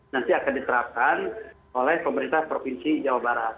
nanti akan diterapkan oleh pemerintah provinsi jawa barat